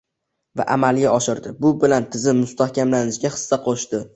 va amalga oshirdi, bu bilan tizim mustahkamlanishiga hissa qo‘shdi.